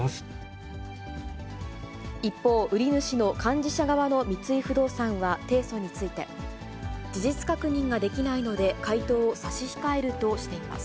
一方、売り主の幹事社側の三井不動産は提訴について、事実確認ができないので、回答を差し控えるとしています。